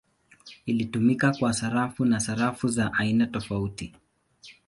Ilitumika kwa sarafu na sarafu za aina tofauti.